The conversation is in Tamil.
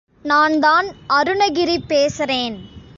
நான்தான் அருணகிரி பேசறேன்!